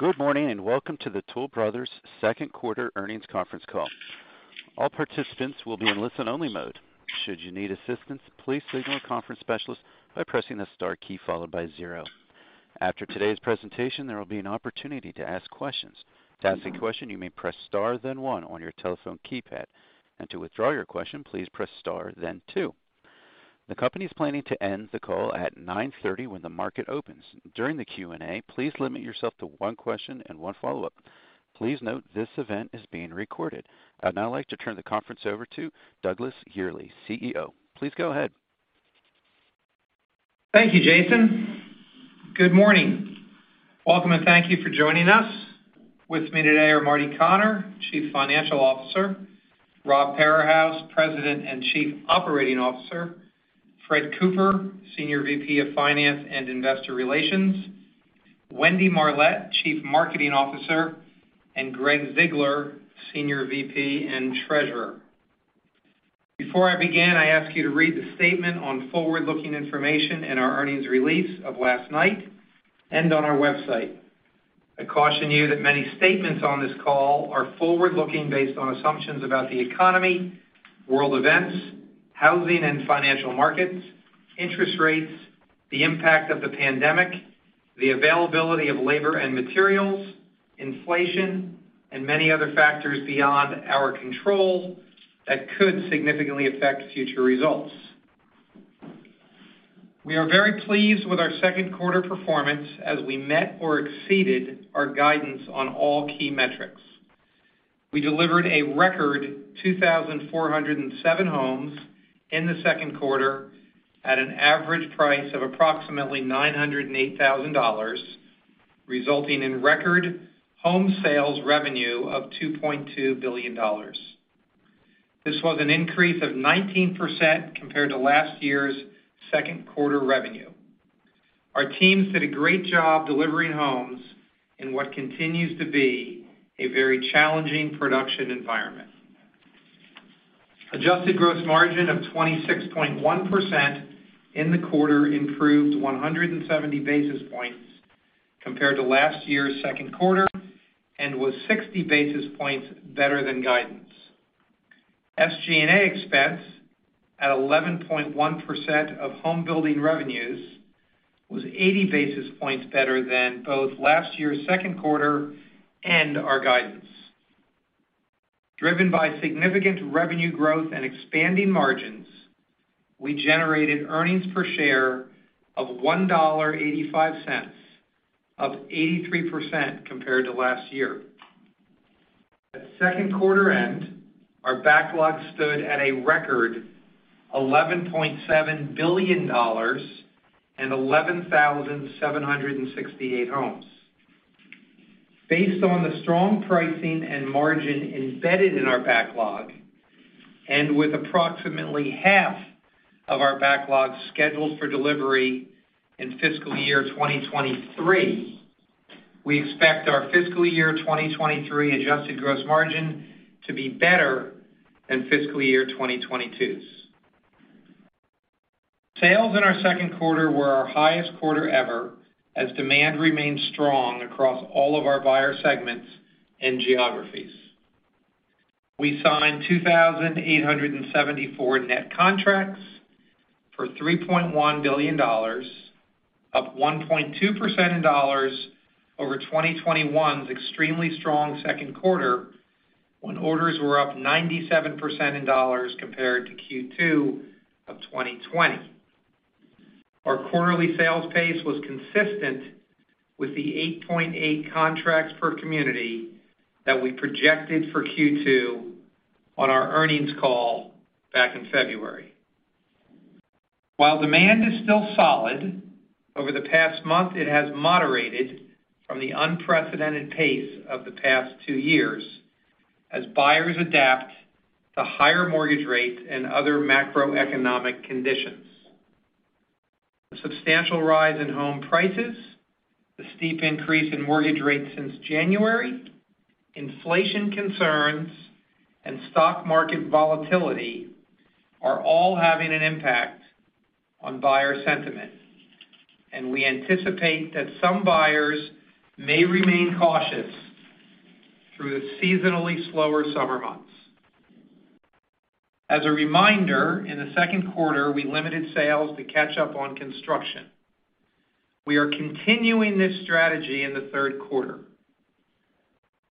Good morning, and welcome to the Toll Brothers Q2 earnings conference call. All participants will be in listen-only mode. Should you need assistance, please signal a conference specialist by pressing the star key followed by zero. After today's presentation, there will be an opportunity to ask questions. To ask a question, you may press Star then one on your telephone keypad. To withdraw your question, please press Star then two. The company is planning to end the call at 9:30 A.M. when the market opens. During the Q&A, please limit yourself to one question and one follow-up. Please note this event is being recorded. I'd now like to turn the conference over to Douglas Yearley, CEO. Please go ahead. Thank you, Jason. Good morning. Welcome, and thank you for joining us. With me today are Martin Connor, Chief Financial Officer, Robert Parahus, President and Chief Operating Officer, Frederick Cooper, Senior VP of Finance and Investor Relations, Wendy Marlett, Chief Marketing Officer, and Gregg Ziegler, Senior VP and Treasurer. Before I begin, I ask you to read the statement on forward-looking information in our earnings release of last night and on our website. I caution you that many statements on this call are forward-looking based on assumptions about the economy, world events, housing and financial markets, interest rates, the impact of the pandemic, the availability of labor and materials, inflation, and many other factors beyond our control that could significantly affect future results. We are very pleased with our Q2 performance as we met or exceeded our guidance on all key metrics. We delivered a record 2,407 homes in the Q2 at an average price of approximately $908,000, resulting in record home sales revenue of $2.2 billion. This was an increase of 19% compared to last year's Q2 revenue. Our teams did a great job delivering homes in what continues to be a very challenging production environment. Adjusted gross margin of 26.1% in the quarter improved 170 basis points compared to last year's Q2 and was 60 basis points better than guidance. SG&A expense at 11.1% of home building revenues was 80 basis points better than both last year's Q2 and our guidance. Driven by significant revenue growth and expanding margins, we generated earnings per share of $1.85, up 83% compared to last year. At Q2-end, our backlog stood at a record $11.7 billion and 11,768 homes. Based on the strong pricing and margin embedded in our backlog, and with approximately half of our backlog scheduled for delivery in fiscal year 2023, we expect our fiscal year 2023 adjusted gross margin to be better than fiscal year 2022's. Sales in our Q2 were our highest quarter ever as demand remained strong across all of our buyer segments and geographies. We signed 2,874 net contracts for $3.1 billion, up 1.2% in dollars over 2021's extremely strong Q2 when orders were up 97% in dollars compared to Q2 of 2020. Our quarterly sales pace was consistent with the 8.8 contracts per community that we projected for Q2 on our earnings call back in February. While demand is still solid, over the past month it has moderated from the unprecedented pace of the past two years as buyers adapt to higher mortgage rates and other macroeconomic conditions. The substantial rise in home prices, the steep increase in mortgage rates since January, inflation concerns, and stock market volatility are all having an impact on buyer sentiment, and we anticipate that some buyers may remain cautious through the seasonally slower summer months. As a reminder, in the Q2, we limited sales to catch up on construction. We are continuing this strategy in the Q3.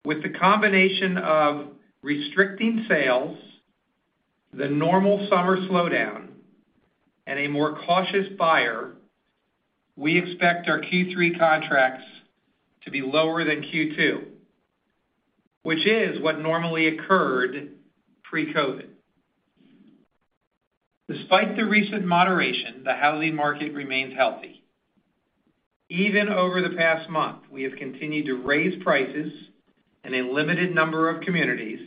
With the combination of restricting sales, the normal summer slowdown, and a more cautious buyer, we expect our Q3 contracts to be lower than Q2, which is what normally occurred pre-COVID. Despite the recent moderation, the housing market remains healthy. Even over the past month, we have continued to raise prices in a limited number of communities,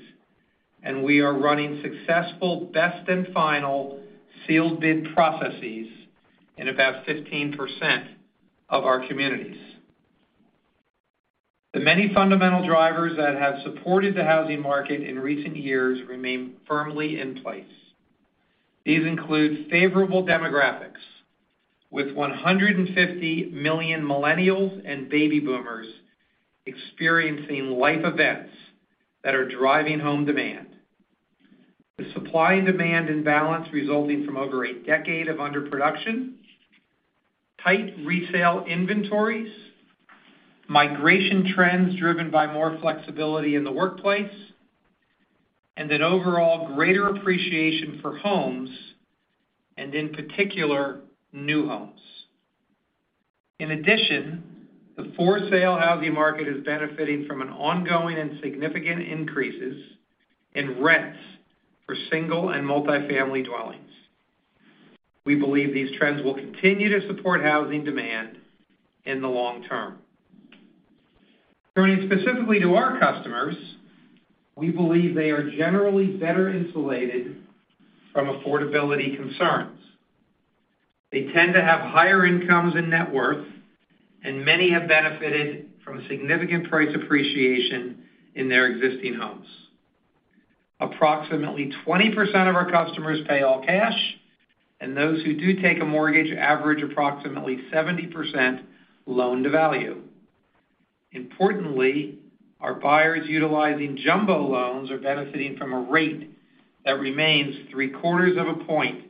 and we are running successful best and final sealed bid processes in about 15% of our communities. The many fundamental drivers that have supported the housing market in recent years remain firmly in place. These include favorable demographics with 150 million millennials and baby boomers experiencing life events that are driving home demand. The supply and demand imbalance resulting from over a decade of underproduction, tight resale inventories, migration trends driven by more flexibility in the workplace, and an overall greater appreciation for homes, and in particular, new homes. In addition, the for-sale housing market is benefiting from an ongoing and significant increases in rents for single and multi-family dwellings. We believe these trends will continue to support housing demand in the long term. Turning specifically to our customers, we believe they are generally better insulated from affordability concerns. They tend to have higher incomes and net worth, and many have benefited from significant price appreciation in their existing homes. Approximately 20% of our customers pay all cash, and those who do take a mortgage average approximately 70% loan to value. Importantly, our buyers utilizing jumbo loans are benefiting from a rate that remains three-quarters of a point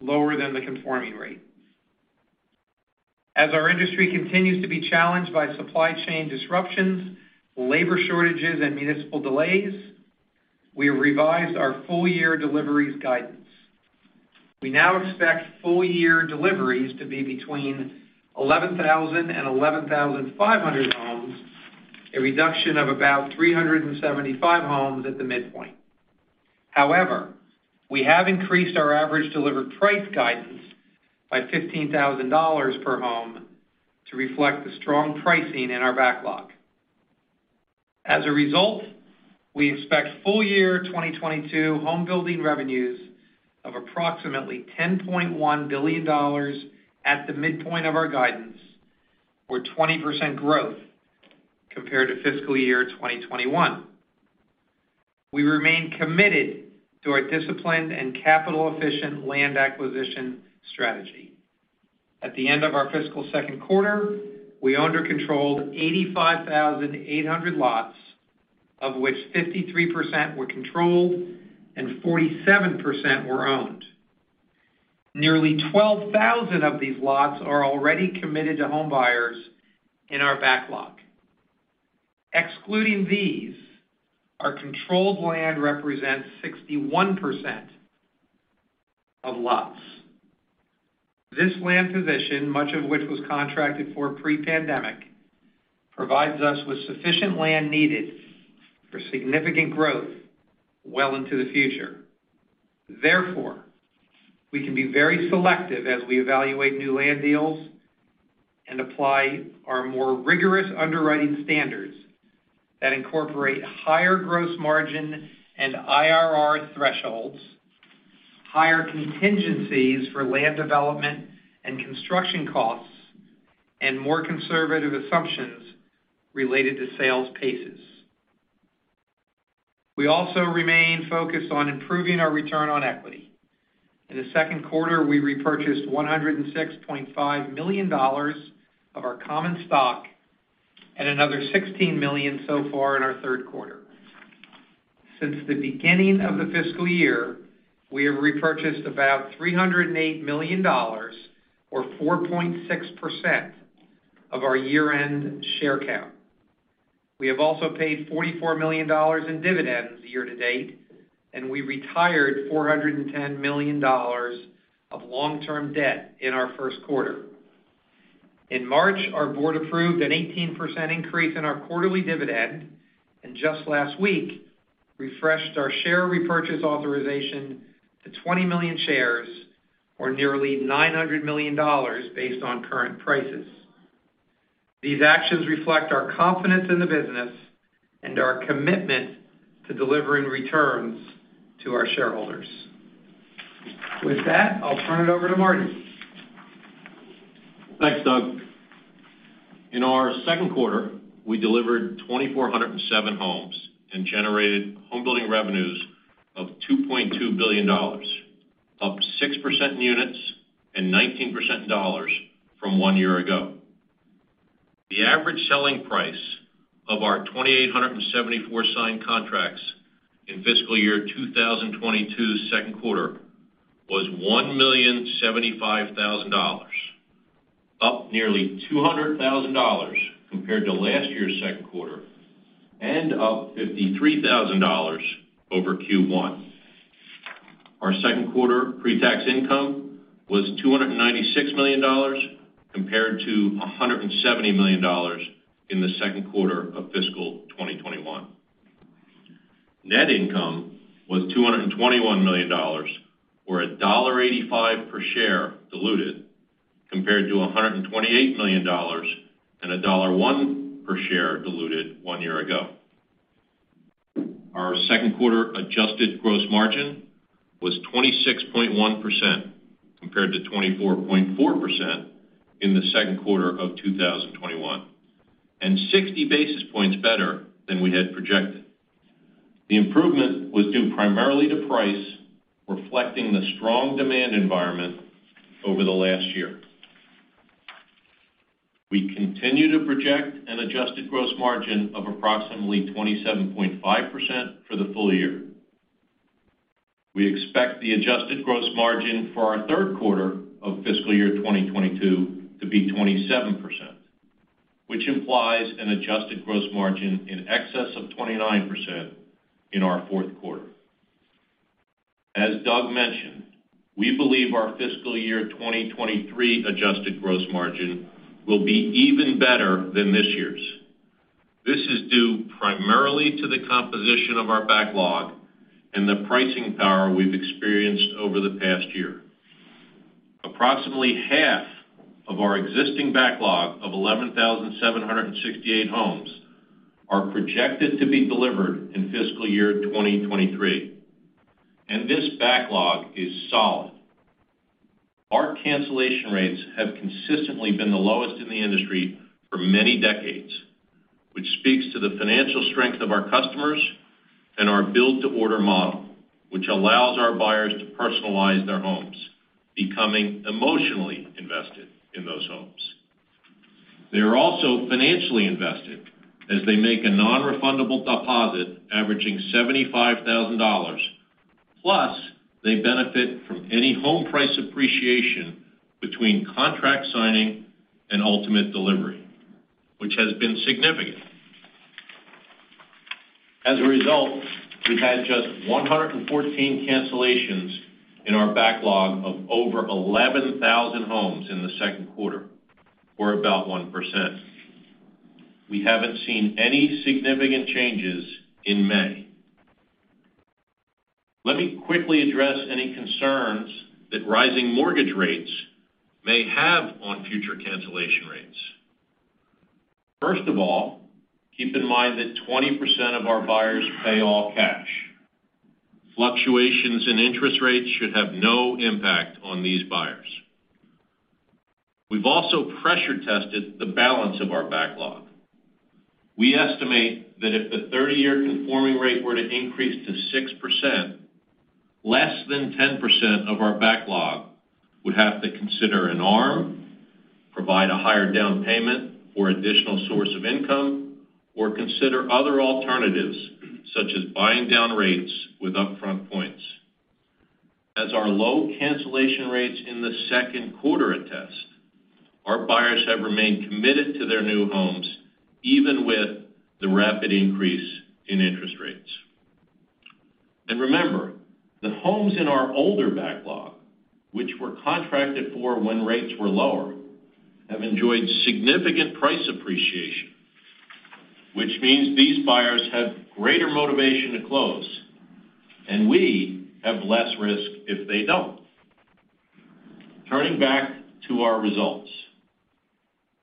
lower than the conforming rate. As our industry continues to be challenged by supply chain disruptions, labor shortages, and municipal delays, we revised our full year deliveries guidance. We now expect full year deliveries to be between 11,000 and 11,500 homes, a reduction of about 375 homes at the midpoint. However, we have increased our average delivered price guidance by $15,000 per home to reflect the strong pricing in our backlog. As a result, we expect full year 2022 homebuilding revenues of approximately $10.1 billion at the midpoint of our guidance, or 20% growth compared to fiscal year 2021. We remain committed to our disciplined and capital-efficient land acquisition strategy. At the end of our fiscal Q2, we owned or controlled 85,800 lots, of which 53% were controlled and 47% were owned. Nearly 12,000 of these lots are already committed to home buyers in our backlog. Excluding these, our controlled land represents 61% of lots. This land position, much of which was contracted for pre-pandemic, provides us with sufficient land needed for significant growth well into the future. Therefore, we can be very selective as we evaluate new land deals and apply our more rigorous underwriting standards that incorporate higher gross margin and IRR thresholds, higher contingencies for land development and construction costs, and more conservative assumptions related to sales paces. We also remain focused on improving our return on equity. In the Q2, we repurchased $106.5 million of our common stock and another $16 million so far in our Q3. Since the beginning of the fiscal year, we have repurchased about $308 million or 4.6% of our year-end share count. We have also paid $44 million in dividends year to date, and we retired $410 million of long-term debt in our Q1. In March, our board approved an 18% increase in our quarterly dividend, and just last week refreshed our share repurchase authorization to 20 million shares or nearly $900 million based on current prices. These actions reflect our confidence in the business and our commitment to delivering returns to our shareholders. With that, I'll turn it over to Martin. Thanks, Doug. In our Q2, we delivered 2,407 homes and generated homebuilding revenues of $2.2 billion, up 6% in units and 19% in dollars from one year ago. The average selling price of our 2,874 signed contracts in fiscal year 2022's Q2 was $1,075,000, up nearly $200,000 compared to last year's Q2 and up $53,000 over Q1. Our Q2 pre-tax income was $296 million compared to $170 million in the Q2 of fiscal 2021. Net income was $221 million or $1.85 per share diluted compared to $128 million and $1.01 per share diluted one year ago. Our Q2 adjusted gross margin was 26.1% compared to 24.4% in the Q2 of 2021. 60 basis points better than we had projected. The improvement was due primarily to price, reflecting the strong demand environment over the last year. We continue to project an adjusted gross margin of approximately 27.5% for the full year. We expect the adjusted gross margin for our Q3 of fiscal year 2022 to be 27%, which implies an adjusted gross margin in excess of 29% in our Q4. As Doug mentioned, we believe our fiscal year 2023 adjusted gross margin will be even better than this year's. This is due primarily to the composition of our backlog and the pricing power we've experienced over the past year. Approximately half of our existing backlog of 11,768 homes are projected to be delivered in fiscal year 2023, and this backlog is solid. Our cancellation rates have consistently been the lowest in the industry for many decades, which speaks to the financial strength of our customers and our build-to-order model, which allows our buyers to personalize their homes, becoming emotionally invested in those homes. They are also financially invested as they make a nonrefundable deposit averaging $75,000, plus they benefit from any home price appreciation between contract signing and ultimate delivery, which has been significant. As a result, we've had just 114 cancellations in our backlog of over 11,000 homes in the Q2, or about 1%. We haven't seen any significant changes in May. Let me quickly address any concerns that rising mortgage rates may have on future cancellation rates. First of all, keep in mind that 20% of our buyers pay all cash. Fluctuations in interest rates should have no impact on these buyers. We've also pressure tested the balance of our backlog. We estimate that if the 30-year conforming rate were to increase to 6%, less than 10% of our backlog would have to consider an ARM, provide a higher down payment or additional source of income, or consider other alternatives such as buying down rates with upfront points. As our low cancellation rates in the Q2 attest, our buyers have remained committed to their new homes, even with the rapid increase in interest rates. Remember that homes in our older backlog, which were contracted for when rates were lower, have enjoyed significant price appreciation, which means these buyers have greater motivation to close and we have less risk if they don't. Turning back to our results.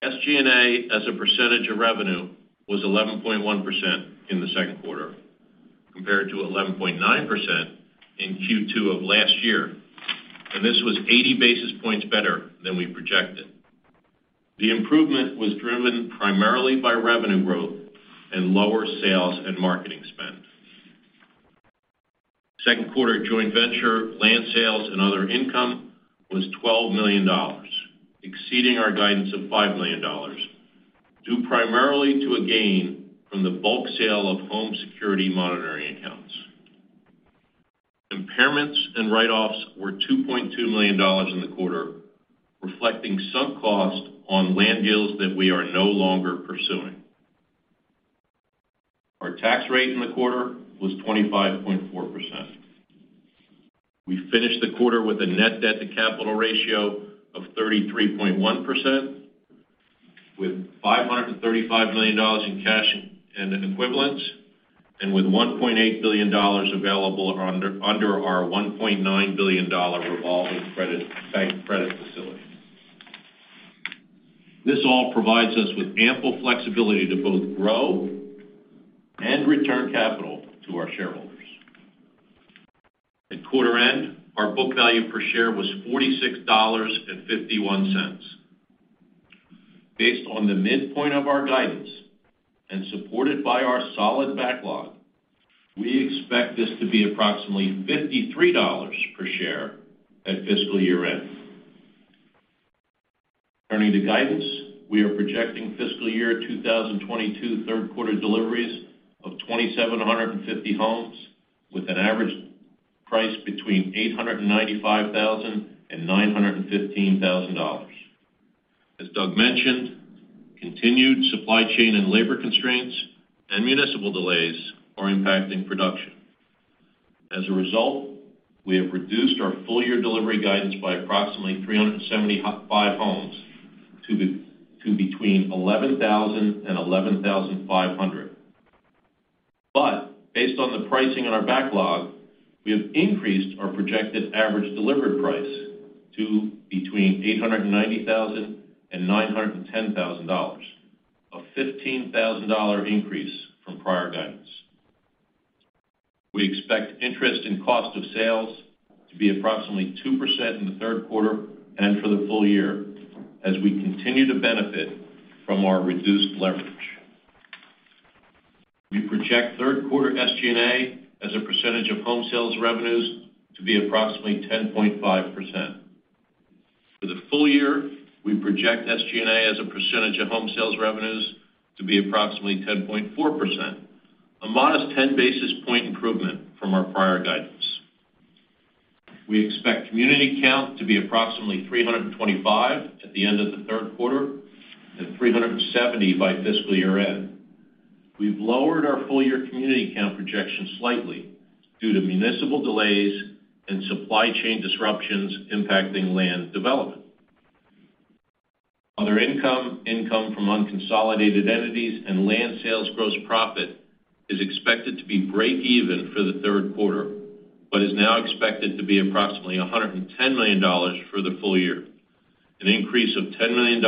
SG&A as a percentage of revenue was 11.1% in the Q2 compared to 11.9% in Q2 of last year, and this was 80 basis points better than we projected. The improvement was driven primarily by revenue growth and lower sales and marketing spend. Q2 joint venture land sales and other income was $12 million, exceeding our guidance of $5 million, due primarily to a gain from the bulk sale of home security monitoring accounts. Impairments and write-offs were $2.2 million in the quarter, reflecting some cost on land deals that we are no longer pursuing. Our tax rate in the quarter was 25.4%. We finished the quarter with a net debt to capital ratio of 33.1%, with $535 million in cash and equivalents, and with $1.8 billion available under our $1.9 billion revolving credit bank credit facility. This all provides us with ample flexibility to both grow and return capital to our shareholders. At quarter end, our book value per share was $46.51. Based on the midpoint of our guidance and supported by our solid backlog, we expect this to be approximately $53 per share at fiscal year end. Turning to guidance, we are projecting fiscal year 2022 Q3 deliveries of 2,750 homes with an average price between $895,000-$915,000. As Doug mentioned, continued supply chain and labor constraints and municipal delays are impacting production. As a result, we have reduced our full year delivery guidance by approximately 375 homes to be between 11,000-11,500. Based on the pricing in our backlog, we have increased our projected average delivered price to between $890,000-$910,000, a $15,000 increase from prior guidance. We expect incentives in cost of sales to be approximately 2% in the Q3 and for the full year as we continue to benefit from our reduced leverage. We project Q3 SG&A as a percentage of home sales revenues to be approximately 10.5%. For the full year, we project SG&A as a percentage of home sales revenues to be approximately 10.4%, a modest 10 basis point improvement from our prior guidance. We expect community count to be approximately 325 at the end of the Q3 and 370 by fiscal year-end. We've lowered our full-year community count projection slightly due to municipal delays and supply chain disruptions impacting land development. Other income from unconsolidated entities, and land sales gross profit is expected to be breakeven for the Q3, but is now expected to be approximately $110 million for the full year, an increase of $10 million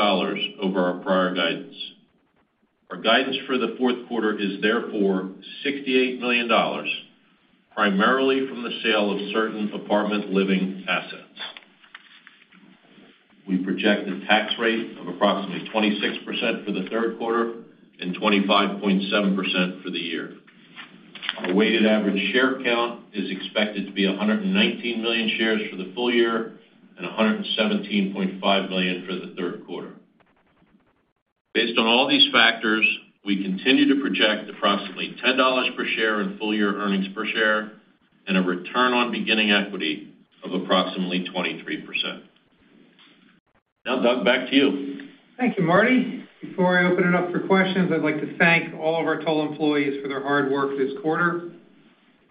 over our prior guidance. Our guidance for the Q4 is therefore $68 million, primarily from the sale of certain apartment living assets. We project a tax rate of approximately 26% for the Q3 and 25.7% for the year. Our weighted average share count is expected to be 119 million shares for the full year and 117.5 million for the Q3. Based on all these factors, we continue to project approximately $10 per share in full year earnings per share and a return on beginning equity of approximately 23%. Now, Doug, back to you. Thank you, Martin. Before I open it up for questions, I'd like to thank all of our Toll employees for their hard work this quarter.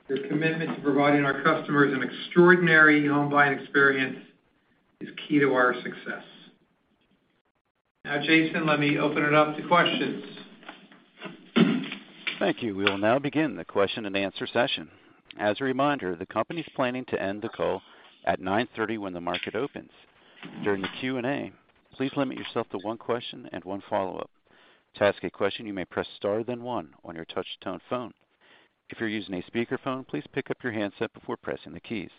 Their commitment to providing our customers an extraordinary home buying experience is key to our success. Now, Jason, let me open it up to questions. Thank you. We will now begin the question and answer session. As a reminder, the company is planning to end the call at 9:30 A.M. when the market opens. During the Q&A, please limit yourself to one question and one follow-up. To ask a question, you may press star, then one on your touch tone phone. If you're using a speakerphone, please pick up your handset before pressing the keys.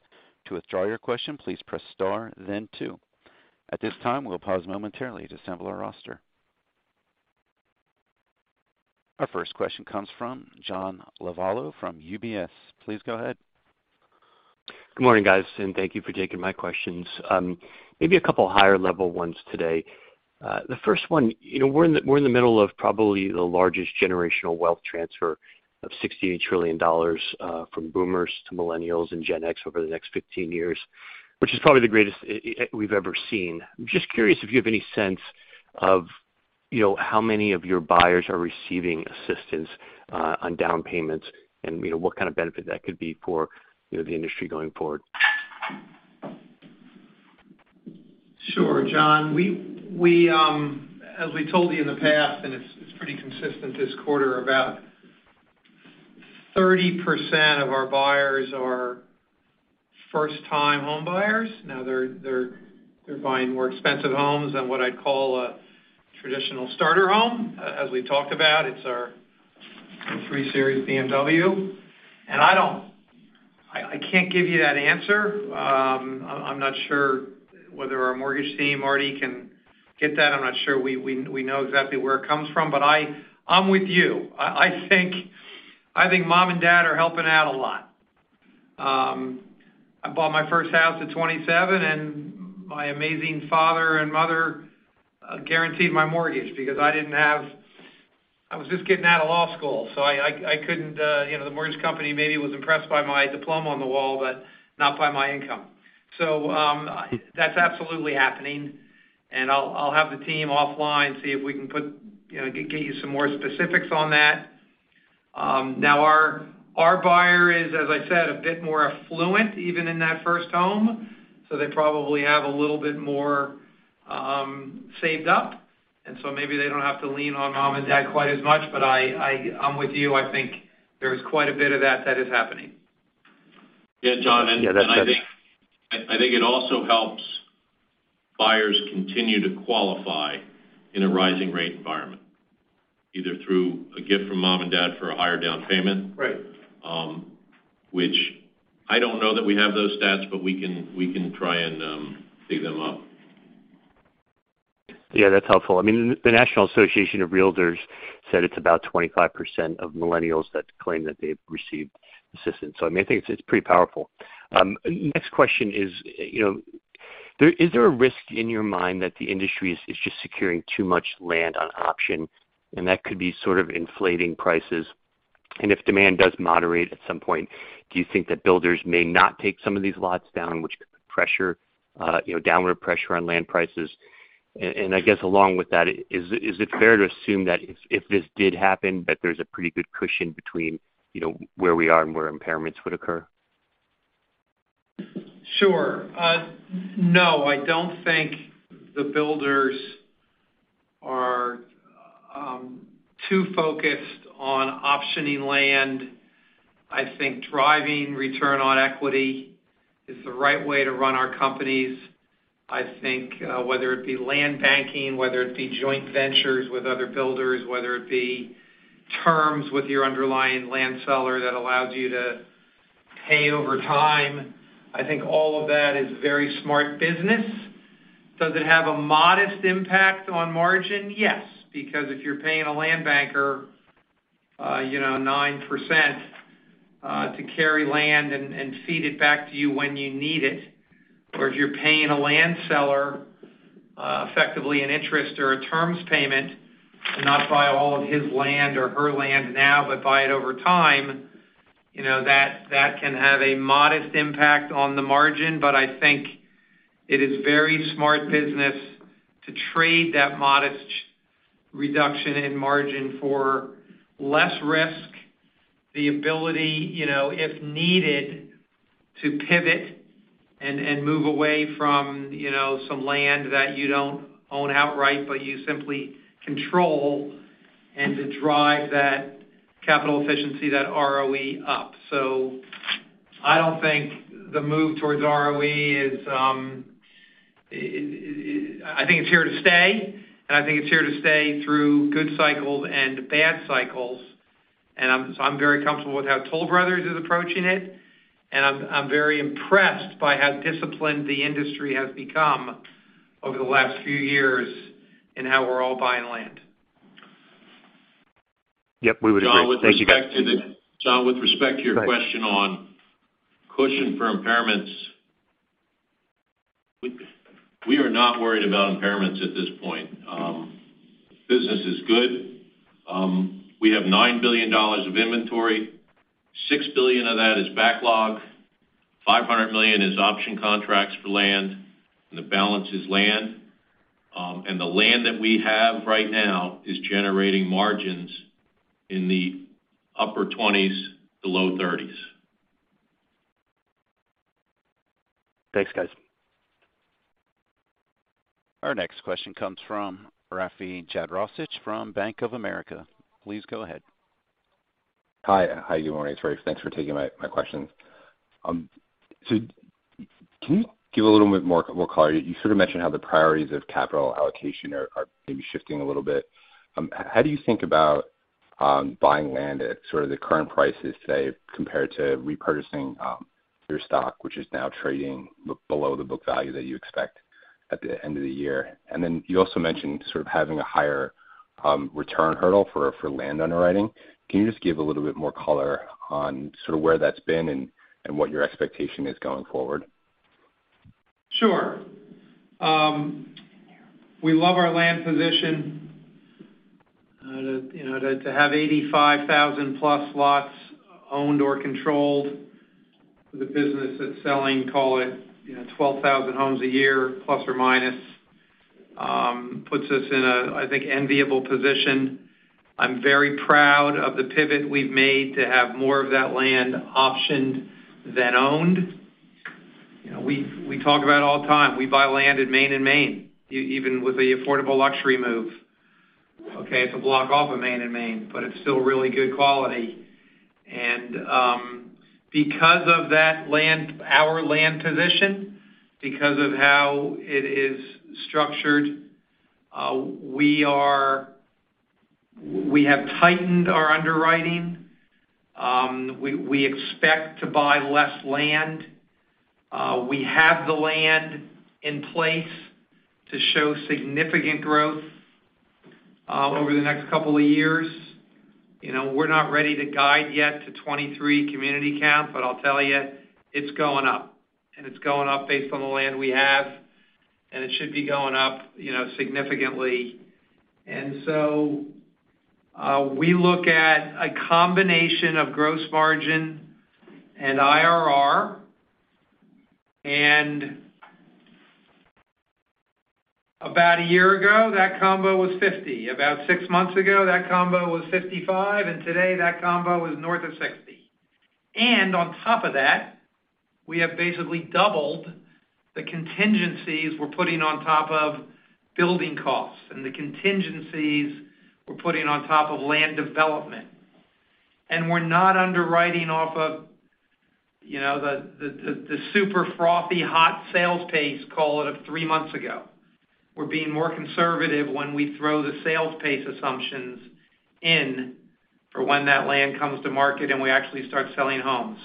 To withdraw your question, please press star, then two. At this time, we'll pause momentarily to assemble our roster. Our first question comes from John Lovallo from UBS. Please go ahead. Good morning, guys, and thank you for taking my questions. Maybe a couple of higher-level ones today. The first one, you know, we're in the middle of probably the largest generational wealth transfer of $68 trillion from boomers to millennials and Gen X over the next 15 years, which is probably the greatest we've ever seen. I'm just curious if you have any sense of, you know, how many of your buyers are receiving assistance on down payments and, you know, what kind of benefit that could be for, you know, the industry going forward. Sure, John. As we told you in the past, it's pretty consistent this quarter, about 30% of our buyers are first-time homebuyers. Now they're buying more expensive homes than what I'd call a traditional starter home. As we talked about, it's our three Series BMW. I can't give you that answer. I'm not sure whether our mortgage team already can get that. I'm not sure we know exactly where it comes from, but I'm with you. I think mom and dad are helping out a lot. I bought my first house at 27, and my amazing father and mother guaranteed my mortgage because I didn't have. I was just getting out of law school, so I couldn't, you know, the mortgage company maybe was impressed by my diploma on the wall, but not by my income. That's absolutely happening. I'll have the team offline, see if we can get you some more specifics on that. Now our buyer is, as I said, a bit more affluent even in that first home, so they probably have a little bit more saved up. Maybe they don't have to lean on mom and dad quite as much. I'm with you. I think there's quite a bit of that is happening. Yeah, John, I think. Yeah, that's good. I think it also helps buyers continue to qualify in a rising rate environment, either through a gift from mom and dad for a higher down payment. Right. which I don't know that we have those stats, but we can try and dig them up. Yeah, that's helpful. I mean, the National Association of Realtors said it's about 25% of millennials that claim that they've received assistance. I mean, I think it's pretty powerful. Next question is, you know, is there a risk in your mind that the industry is just securing too much land on option and that could be sort of inflating prices? And if demand does moderate at some point, do you think that builders may not take some of these lots down, which could put pressure, you know, downward pressure on land prices? And I guess along with that, is it fair to assume that if this did happen, that there's a pretty good cushion between, you know, where we are and where impairments would occur? Sure. No, I don't think the builders are too focused on optioning land. I think driving return on equity. It's the right way to run our companies. I think whether it be land banking, whether it be joint ventures with other builders, whether it be terms with your underlying land seller that allows you to pay over time, I think all of that is very smart business. Does it have a modest impact on margin? Yes. Because if you're paying a land banker, you know, 9% to carry land and feed it back to you when you need it, or if you're paying a land seller, effectively an interest or a terms payment to not buy all of his land or her land now, but buy it over time, you know, that can have a modest impact on the margin. I think it is very smart business to trade that modest reduction in margin for less risk, the ability, you know, if needed, to pivot and move away from, you know, some land that you don't own outright, but you simply control and to drive that capital efficiency, that ROE up. I don't think the move towards ROE is. I think it's here to stay, and I think it's here to stay through good cycles and bad cycles. I'm very comfortable with how Toll Brothers is approaching it, and I'm very impressed by how disciplined the industry has become over the last few years in how we're all buying land. Yep, we would agree. Thank you, guys. John, with respect to the. Thanks. John, with respect to your question on cushion for impairments, we are not worried about impairments at this point. Business is good. We have $9 billion of inventory. $6 billion of that is backlog. $500 million is option contracts for land, and the balance is land. The land that we have right now is generating margins in the upper 20s% to low 30s%. Thanks, guys. Our next question comes from Rafe Jadrosich from Bank of America. Please go ahead. Hi. Hi, good morning, it's Rafe. Thanks for taking my questions. Can you give a little bit more color? You sort of mentioned how the priorities of capital allocation are maybe shifting a little bit. How do you think about buying land at sort of the current prices, say, compared to repurchasing your stock, which is now trading below the book value that you expect at the end of the year? You also mentioned sort of having a higher return hurdle for land underwriting. Can you just give a little bit more color on sort of where that's been and what your expectation is going forward? Sure. We love our land position. To have 85,000+ lots owned or controlled for the business that's selling, call it, 12,000 homes a year, plus or minus, puts us in a, I think, enviable position. I'm very proud of the pivot we've made to have more of that land optioned than owned. We talk about it all the time. We buy land in Main and Main, even with the affordable luxury move. Okay, it's a block off of Main and Main, but it's still really good quality. Because of that land, our land position, because of how it is structured, we have tightened our underwriting. We expect to buy less land. We have the land in place to show significant growth over the next couple of years. You know, we're not ready to guide yet to 2023 community count, but I'll tell you, it's going up, and it's going up based on the land we have, and it should be going up, you know, significantly. We look at a combination of gross margin and IRR. About a year ago, that combo was 50%. About six months ago, that combo was 55%, and today that combo is north of 60%. On top of that, we have basically doubled the contingencies we're putting on top of building costs and the contingencies we're putting on top of land development. We're not underwriting off of, you know, the super frothy hot sales pace call it of three months ago. We're being more conservative when we throw the sales pace assumptions in for when that land comes to market, and we actually start selling homes.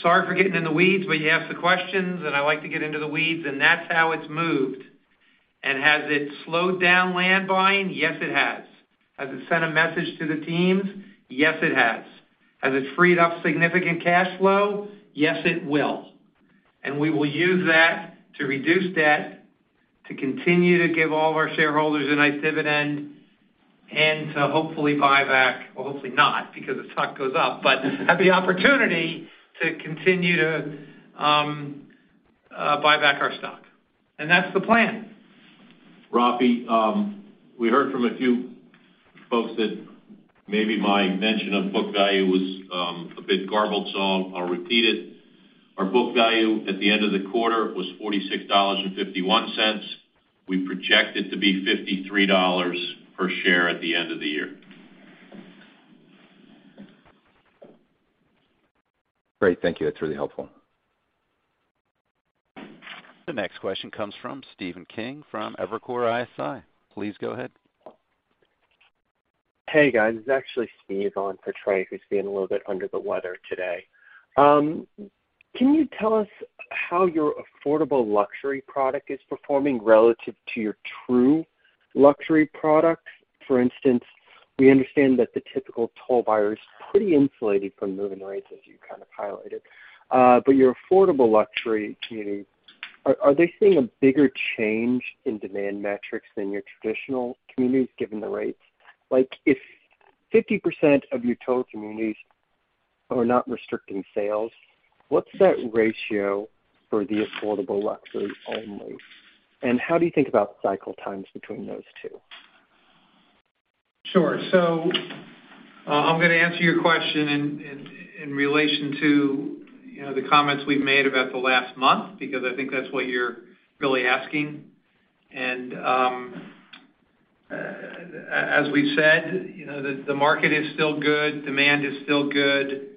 Sorry for getting in the weeds, but you asked the questions, and I like to get into the weeds, and that's how it's moved. Has it slowed down land buying? Yes, it has. Has it sent a message to the teams? Yes, it has. Has it freed up significant cash flow? Yes, it will. We will use that to reduce debt, to continue to give all of our shareholders a nice dividend, and to hopefully buy back, or hopefully not, because the stock goes up, but at the opportunity to continue to buy back our stock. That's the plan. Rafe, we heard from a few folks that maybe my mention of book value was a bit garbled, so I'll repeat it. Our book value at the end of the quarter was $46.51. We project it to be $53 per share at the end of the year. Great. Thank you. That's really helpful. The next question comes from Stephen Kim from Evercore ISI. Please go ahead. Hey, guys. It's actually Steve on for Trey, who's being a little bit under the weather today. Can you tell us how your affordable luxury product is performing relative to your true luxury product? For instance, we understand that the typical Toll buyer is pretty insulated from mortgage rates, as you kind of highlighted. Your affordable luxury communities, are they seeing a bigger change in demand metrics than your traditional communities, given the rates? Like, if 50% of your Toll communities are not restricting sales, what's that ratio for the affordable luxury only, and how do you think about cycle times between those two? Sure. I'm gonna answer your question in relation to, you know, the comments we've made about the last month, because I think that's what you're really asking. As we said, you know, the market is still good, demand is still good.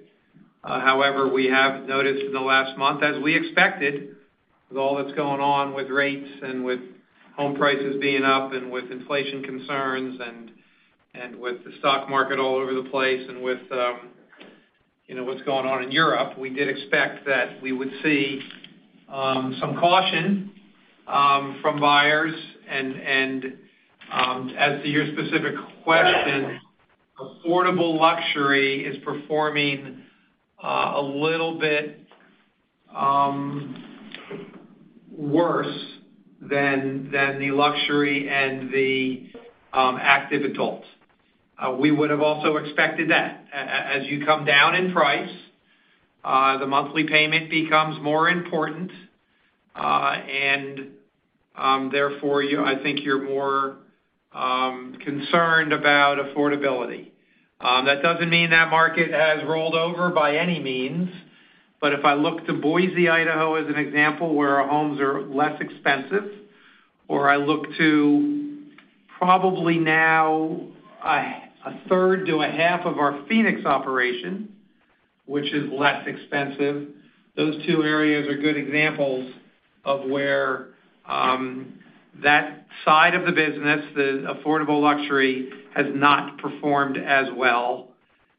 However, we have noticed in the last month, as we expected, with all that's going on with rates and with home prices being up and with inflation concerns and with the stock market all over the place and with, you know, what's going on in Europe, we did expect that we would see some caution from buyers. As to your specific question, affordable luxury is performing a little bit worse than the luxury and the active adult. We would have also expected that. As you come down in price, the monthly payment becomes more important. Therefore, I think you're more concerned about affordability. That doesn't mean that market has rolled over by any means, but if I look to Boise, Idaho, as an example where our homes are less expensive, or I look to probably now a third to a half of our Phoenix operation, which is less expensive, those two areas are good examples of where that side of the business, the affordable luxury, has not performed as well,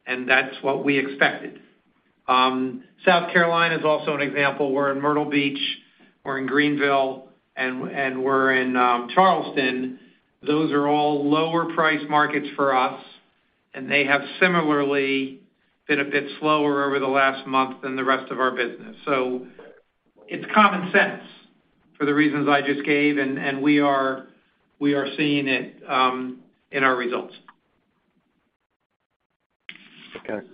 and that's what we expected. South Carolina is also an example. We're in Myrtle Beach, we're in Greenville, and we're in Charleston. Those are all lower priced markets for us, and they have similarly been a bit slower over the last month than the rest of our business. It's common sense for the reasons I just gave, and we are seeing it in our results. Okay.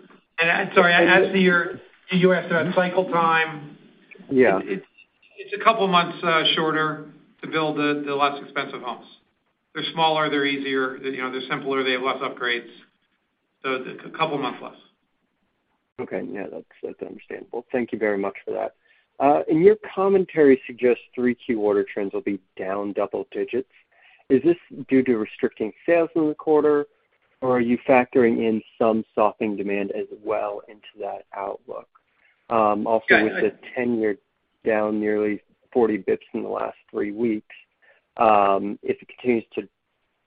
Sorry, you asked about cycle time. Yeah. It's a couple of months shorter to build the less expensive homes. They're smaller, they're easier, you know, they're simpler, they have less upgrades. It's a couple of months less. Okay. Yeah, that's understandable. Thank you very much for that. Your commentary suggests three key order trends will be down double digits. Is this due to restricting sales in the quarter, or are you factoring in some softening demand as well into that outlook? Go ahead. With the 10-year down nearly 40 basis points in the last three weeks, if it continues to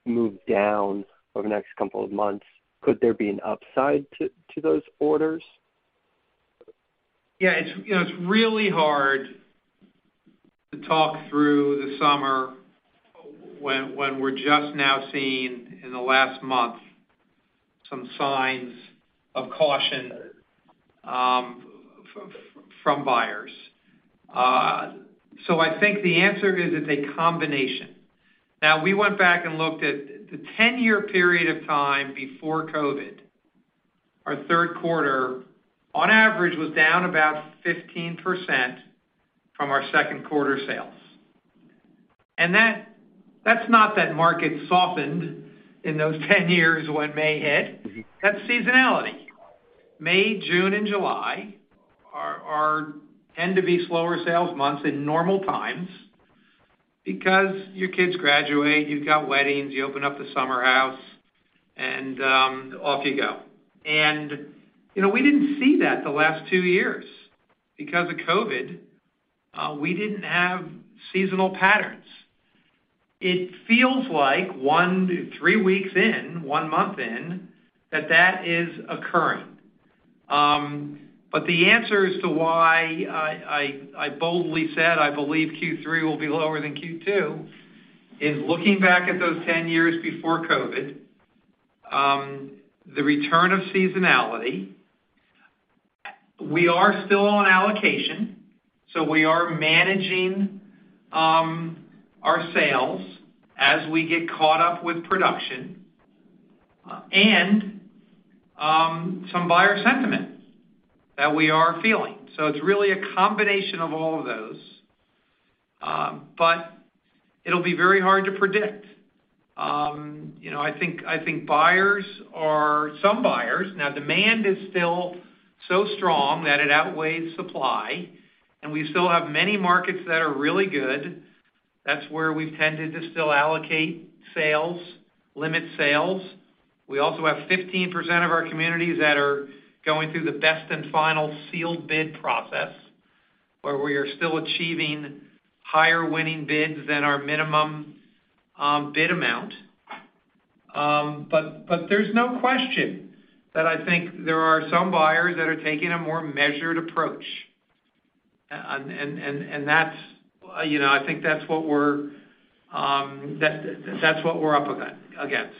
move down over the next couple of months, could there be an upside to those orders? Yeah, it's you know, it's really hard to talk through the summer when we're just now seeing in the last month some signs of caution from buyers. So I think the answer is it's a combination. Now, we went back and looked at the 10-year period of time before COVID. Our Q3 on average was down about 15% from our Q2 sales. That's not that market softened in those 10 years when May hit. Mm-hmm. That's seasonality. May, June, and July tend to be slower sales months in normal times because your kids graduate, you've got weddings, you open up the summer house, and off you go. You know, we didn't see that the last two years. Because of COVID, we didn't have seasonal patterns. It feels like one to three weeks in, one month in, that is occurring. The answer as to why I boldly said I believe Q3 will be lower than Q2 is looking back at those 10 years before COVID, the return of seasonality. We are still on allocation, so we are managing our sales as we get caught up with production, and some buyer sentiment that we are feeling. It's really a combination of all of those. It'll be very hard to predict. You know, I think some buyers are. Now, demand is still so strong that it outweighs supply, and we still have many markets that are really good. That's where we've tended to still allocate sales, limit sales. We also have 15% of our communities that are going through the best and final sealed bid process, where we are still achieving higher winning bids than our minimum bid amount. But there's no question that I think there are some buyers that are taking a more measured approach. That's, you know, I think that's what we're up against.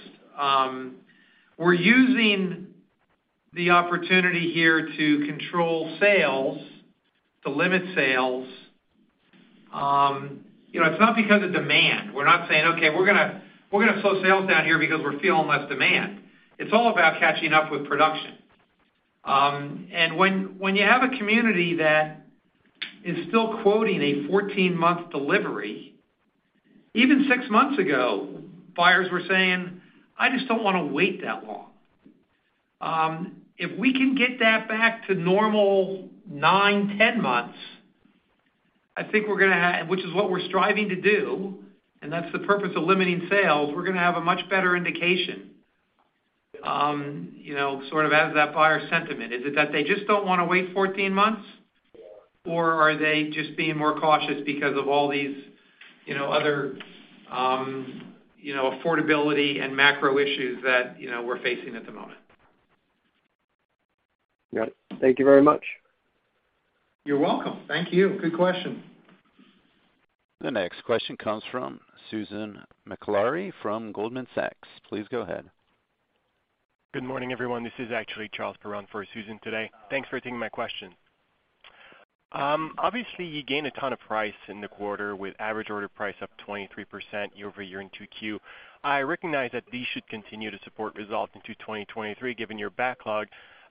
We're using the opportunity here to control sales, to limit sales. You know, it's not because of demand. We're not saying, "Okay, we're gonna slow sales down here because we're feeling less demand." It's all about catching up with production. When you have a community that is still quoting a 14-month delivery, even six months ago, buyers were saying, "I just don't wanna wait that long." If we can get that back to normal, 9-10 months, I think we're gonna have, which is what we're striving to do, and that's the purpose of limiting sales, a much better indication, you know, sort of as that buyer sentiment. Is it that they just don't wanna wait 14 months? Or are they just being more cautious because of all these, you know, other, you know, affordability and macro issues that, you know, we're facing at the moment. Got it. Thank you very much. You're welcome. Thank you. Good question. The next question comes from Susan Maklari from Goldman Sachs. Please go ahead. Good morning, everyone. This is actually Charles Perron-Piche for Susan today. Thanks for taking my question. Obviously, you gained a ton of price in the quarter with average order price up 23% year-over-year in 2Q. I recognize that these should continue to support results into 2023 given your backlog,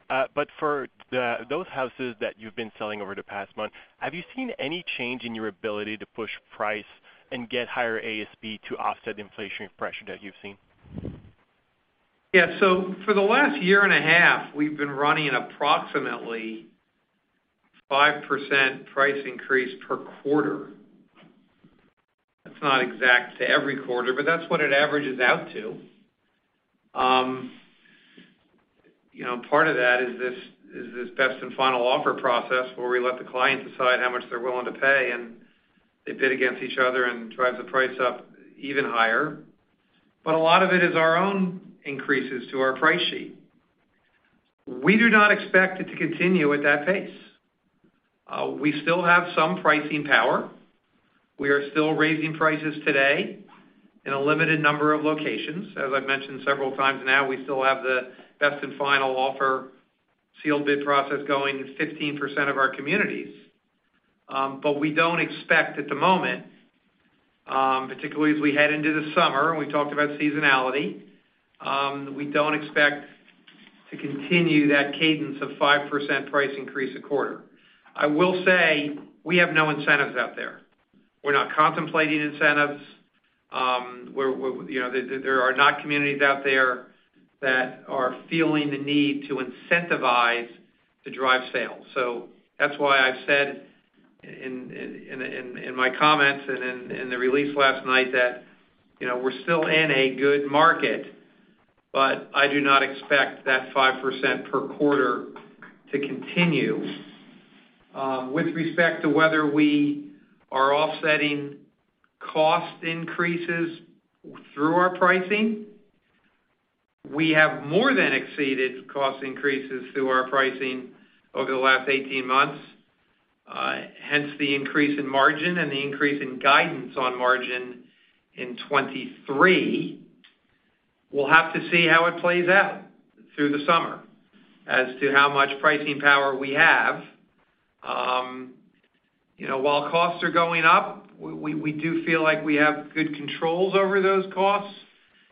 but for those houses that you've been selling over the past month, have you seen any change in your ability to push price and get higher ASP to offset inflationary pressure that you've seen? Yeah. For the last year and a half, we've been running approximately 5% price increase per quarter. That's not exact to every quarter, but that's what it averages out to. You know, part of that is this best and final offer process where we let the clients decide how much they're willing to pay, and they bid against each other and drives the price up even higher. A lot of it is our own increases to our price sheet. We do not expect it to continue at that pace. We still have some pricing power. We are still raising prices today in a limited number of locations. As I've mentioned several times now, we still have the best and final offer sealed bid process going in 15% of our communities. We don't expect at the moment, particularly as we head into the summer, and we talked about seasonality, we don't expect to continue that cadence of 5% price increase a quarter. I will say we have no incentives out there. We're not contemplating incentives. We're you know, there are not communities out there that are feeling the need to incentivize to drive sales. That's why I've said in my comments and in the release last night that, you know, we're still in a good market, but I do not expect that 5% per quarter to continue. With respect to whether we are offsetting cost increases through our pricing, we have more than exceeded cost increases through our pricing over the last 18 months. Hence the increase in margin and the increase in guidance on margin in 2023. We'll have to see how it plays out through the summer as to how much pricing power we have. You know, while costs are going up, we do feel like we have good controls over those costs.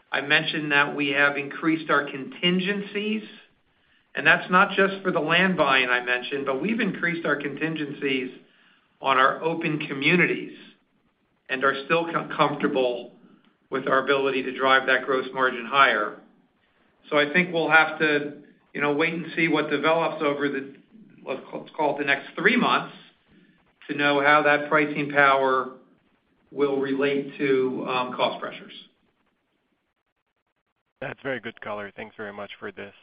I mentioned that we have increased our contingencies, and that's not just for the land buying I mentioned, but we've increased our contingencies on our open communities and are still comfortable with our ability to drive that gross margin higher. I think we'll have to, you know, wait and see what develops over the, let's call it the next three months, to know how that pricing power will relate to, cost pressures. That's very good color. Thanks very much for this.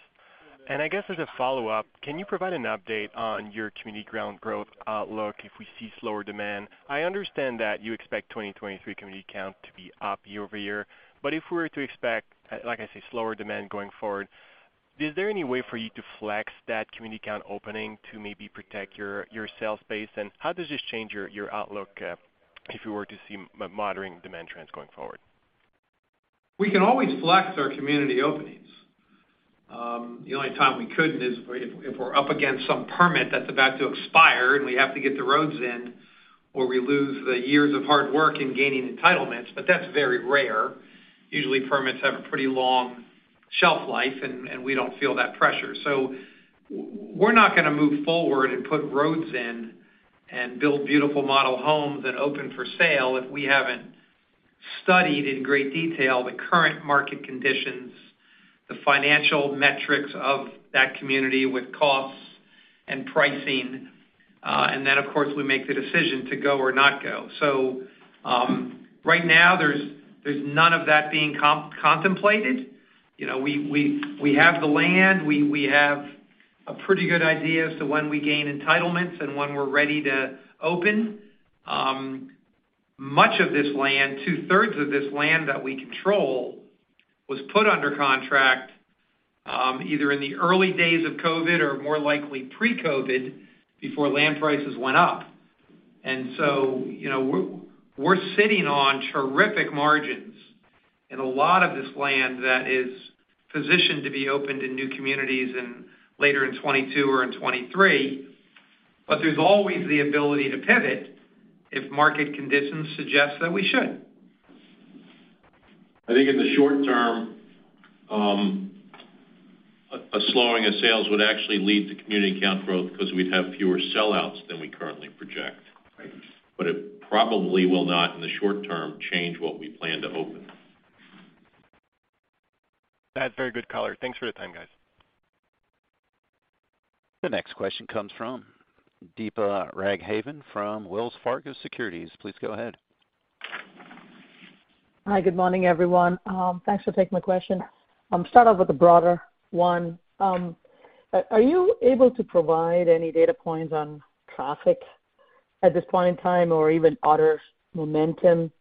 I guess as a follow-up, can you provide an update on your community count growth outlook if we see slower demand? I understand that you expect 2023 community count to be up year-over-year. If we were to expect slower demand going forward, is there any way for you to flex that community count opening to maybe protect your sales base? How does this change your outlook if you were to see moderating demand trends going forward? We can always flex our community openings. The only time we couldn't is if we're up against some permit that's about to expire and we have to get the roads in, or we lose the years of hard work in gaining entitlements, but that's very rare. Usually, permits have a pretty long shelf life, and we don't feel that pressure. We're not gonna move forward and put roads in and build beautiful model homes and open for sale if we haven't studied in great detail the current market conditions, the financial metrics of that community with costs and pricing, and then of course, we make the decision to go or not go. Right now, there's none of that being contemplated. You know, we have the land. We have a pretty good idea as to when we gain entitlements and when we're ready to open. Much of this land, two-thirds of this land that we control was put under contract, either in the early days of COVID or more likely pre-COVID before land prices went up. You know, we're sitting on terrific margins in a lot of this land that is positioned to be opened in new communities later in 2022 or in 2023. There's always the ability to pivot if market conditions suggest that we should. I think in the short term, a slowing of sales would actually lead to community count growth because we'd have fewer sellouts than we currently project. Right. It probably will not, in the short term, change what we plan to open. That's very good color. Thanks for the time, guys. The next question comes from Deepa Raghavan from Wells Fargo Securities. Please go ahead. Hi, good morning, everyone. Thanks for taking my question. I'll start off with a broader one. Are you able to provide any data points on traffic at this point in time or even order momentum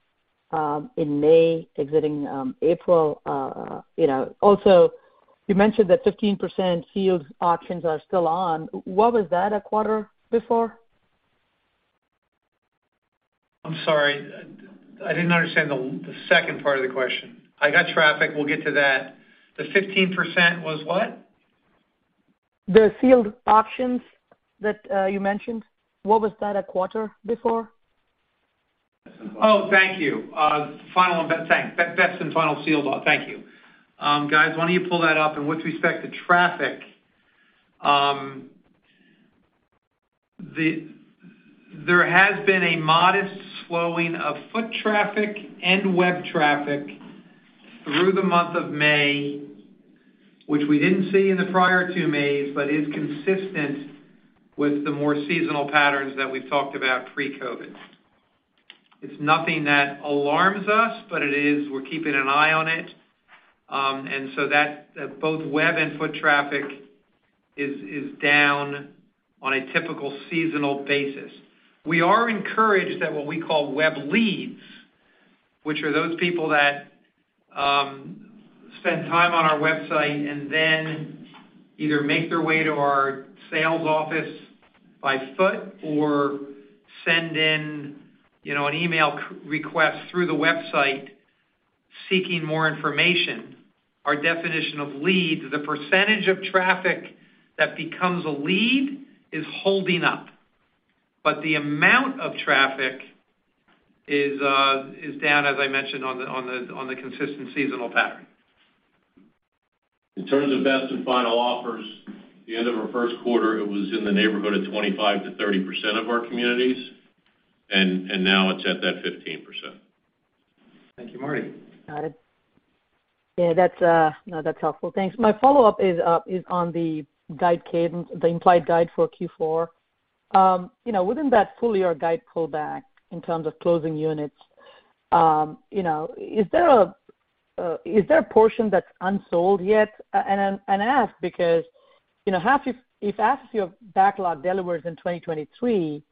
in May exiting April? You know, also, you mentioned that 15% sealed auctions are still on. What was that a quarter before? I'm sorry. I didn't understand the second part of the question. I got traffic. We'll get to that. The 15% was what? The sealed auctions that, you mentioned. What was that a quarter before? Oh, thank you. Final and best. Thanks. Best and final sealed. Thank you. Guys, why don't you pull that up? With respect to traffic, there has been a modest slowing of foot traffic and web traffic through the month of May, which we didn't see in the prior two Mays, but is consistent with the more seasonal patterns that we've talked about pre-COVID. It's nothing that alarms us, but it is. We're keeping an eye on it. Both web and foot traffic is down on a typical seasonal basis. We are encouraged that what we call web leads, which are those people that spend time on our website and then either make their way to our sales office by foot or send in, you know, an email request through the website seeking more information. Our definition of leads, the percentage of traffic that becomes a lead is holding up. The amount of traffic is down, as I mentioned on the consistent seasonal pattern. In terms of best and final offers, at the end of our Q1, it was in the neighborhood of 25%-30% of our communities, and now it's at that 15%. Thank you, Martin. Got it. Yeah, that's helpful. Thanks. My follow-up is on the guide cadence, the implied guide for Q4. You know, wouldn't that full-year guide pull back in terms of closing units? You know, is there a portion that's unsold yet? I ask because, you know, if half of your backlog delivers in 2023,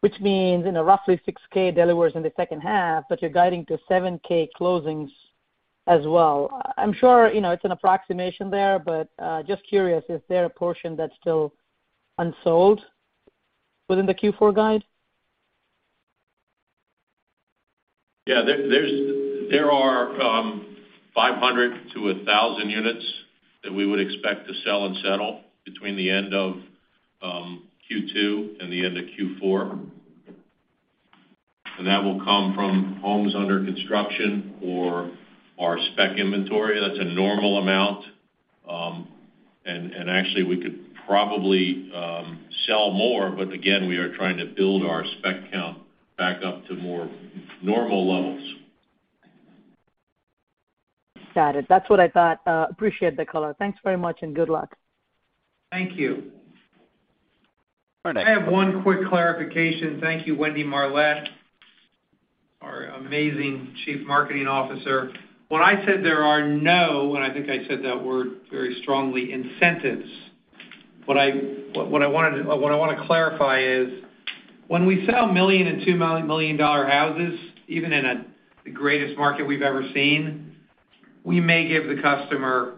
which means roughly 6,000 delivers in the H2, but you're guiding to 7,000 closings as well. I'm sure, you know, it's an approximation there, but just curious, is there a portion that's still unsold within the Q4 guide? Yeah. There are 500-1,000 units that we would expect to sell and settle between the end of Q2 and the end of Q4. That will come from homes under construction or our spec inventory. That's a normal amount. Actually, we could probably sell more, but again, we are trying to build our spec count back up to more normal levels. Got it. That's what I thought. Appreciate the color. Thanks very much, and good luck. Thank you. Our next- I have one quick clarification. Thank you, Wendy Marlett, our amazing Chief Marketing Officer. When I said there are no, and I think I said that word very strongly, incentives, what I want to clarify is when we sell $1 million and $2 million dollar houses, even in the greatest market we've ever seen, we may give the customer,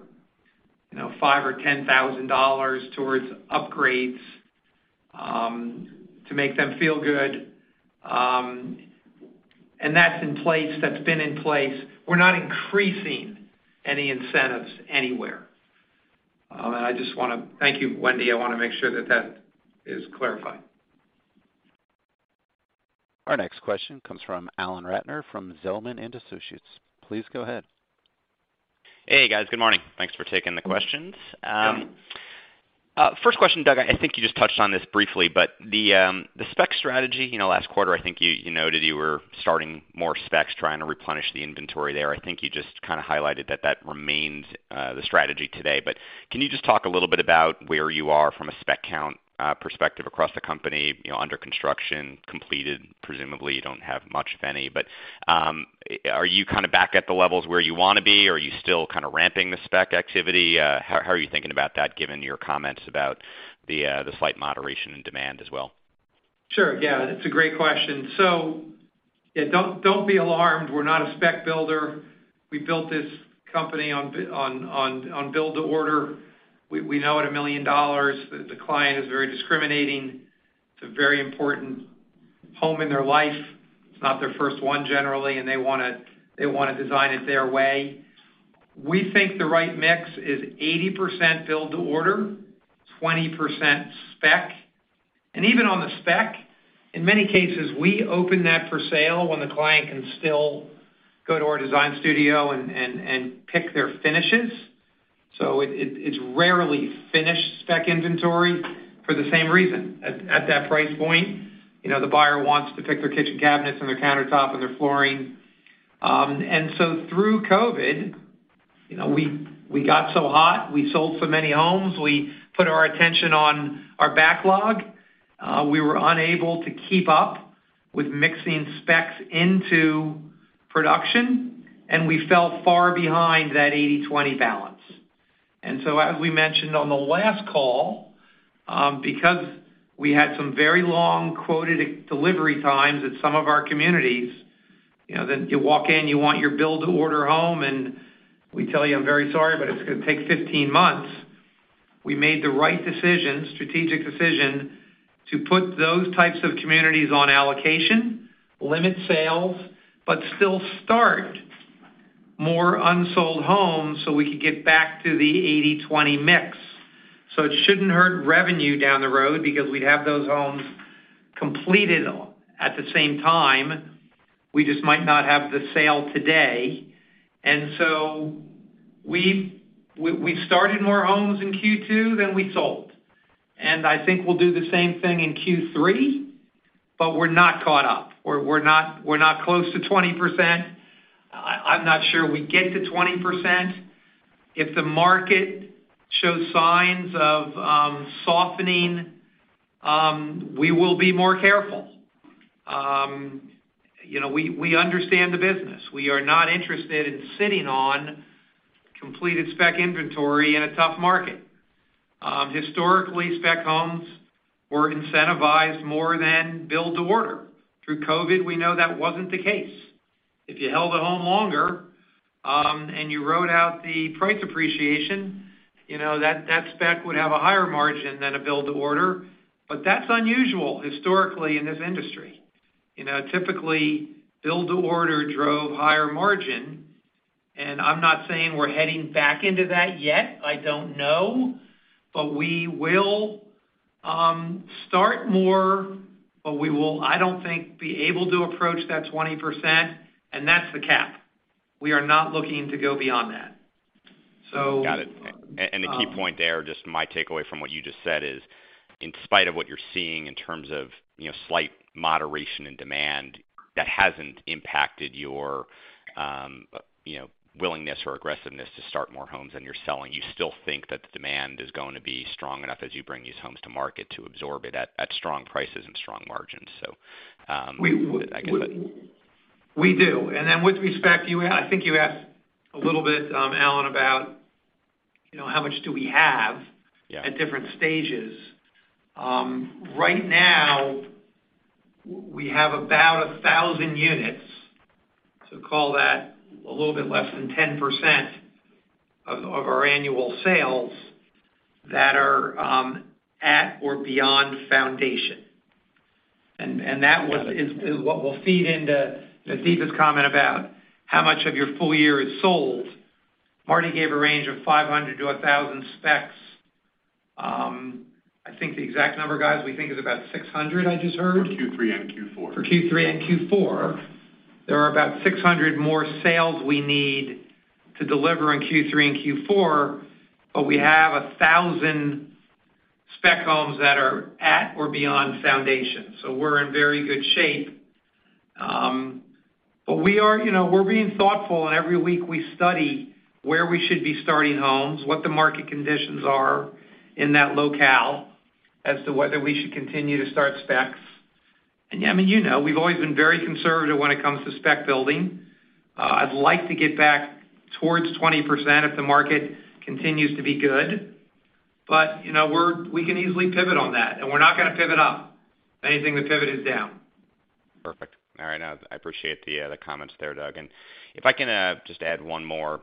you know, $5,000 or $10,000 towards upgrades, to make them feel good. And that's in place. That's been in place. We're not increasing any incentives anywhere. And I just want to thank you, Wendy. I want to make sure that that is clarified. Our next question comes from Alan Ratner from Zelman & Associates. Please go ahead. Hey, guys. Good morning. Thanks for taking the questions. First question, Doug, I think you just touched on this briefly, but the spec strategy, you know, last quarter, I think you noted you were starting more specs, trying to replenish the inventory there. I think you just kind of highlighted that remains the strategy today. Can you just talk a little bit about where you are from a spec count perspective across the company, you know, under construction, completed. Presumably, you don't have much, if any. Are you kind of back at the levels where you wanna be, or are you still kind of ramping the spec activity? How are you thinking about that given your comments about the slight moderation in demand as well? Sure. Yeah. That's a great question. Yeah, don't be alarmed. We're not a spec builder. We built this company on build to order. We know at $1 million that the client is very discriminating. It's a very important home in their life. It's not their first one generally, and they wanna design it their way. We think the right mix is 80% build to order, 20% spec. Even on the spec, in many cases, we open that for sale when the client can still go to our Design Studio and pick their finishes. It's rarely finished spec inventory for the same reason. At that price point, you know, the buyer wants to pick their kitchen cabinets and their countertop and their flooring. Through COVID, you know, we got so hot, we sold so many homes, we put our attention on our backlog. We were unable to keep up with mixing specs into production, and we fell far behind that 80/20 balance. As we mentioned on the last call, because we had some very long quoted delivery times at some of our communities, you know, that you walk in, you want your build-to-order home, and we tell you, "I'm very sorry, but it's gonna take 15 months," we made the right decision, strategic decision, to put those types of communities on allocation, limit sales, but still start more unsold homes so we could get back to the 80/20 mix. It shouldn't hurt revenue down the road because we'd have those homes completed at the same time, we just might not have the sale today. We've started more homes in Q2 than we sold. I think we'll do the same thing in Q3, but we're not caught up. We're not close to 20%. I'm not sure we get to 20%. If the market shows signs of softening, we will be more careful. You know, we understand the business. We are not interested in sitting on completed spec inventory in a tough market. Historically, spec homes were incentivized more than build to order. Through COVID, we know that wasn't the case. If you held a home longer and you rode out the price appreciation, you know, that spec would have a higher margin than a build to order, but that's unusual historically in this industry. You know, typically, build-to-order drove higher margin, and I'm not saying we're heading back into that yet. I don't know. We will start more, but I don't think we will be able to approach that 20%, and that's the cap. We are not looking to go beyond that. Got it. The key point there, just my takeaway from what you just said is, in spite of what you're seeing in terms of, you know, slight moderation in demand, that hasn't impacted your, you know, willingness or aggressiveness to start more homes than you're selling. You still think that the demand is going to be strong enough as you bring these homes to market to absorb it at strong prices and strong margins. I guess that. We do. Then with respect, I think you asked a little bit, Alan, about, you know, how much do we have- Yeah at different stages. Right now we have about 1,000 units, so call that a little bit less than 10% of our annual sales that are at or beyond foundation. That was Got it. is what we'll feed into Deepa Raghavan's comment about how much of your full year is sold. Martin gave a range of 500-1,000 specs. I think the exact number, guys, we think is about 600, I just heard. For Q3 and Q4. For Q3 and Q4. There are about 600 more sales we need to deliver in Q3 and Q4, but we have 1,000 spec homes that are at or beyond foundation. We're in very good shape. We are, you know, we're being thoughtful, and every week we study where we should be starting homes, what the market conditions are in that locale as to whether we should continue to start specs. Yeah, I mean, you know, we've always been very conservative when it comes to spec building. I'd like to get back towards 20% if the market continues to be good. You know, we can easily pivot on that, and we're not gonna pivot up. If anything, the pivot is down. Perfect. All right. No, I appreciate the comments there, Doug. If I can just add one more.